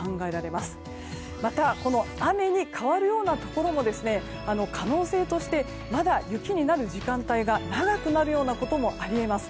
また、この雨に変わるようなところも可能性としてまだ雪になる時間帯が長くなるようなこともあり得ます。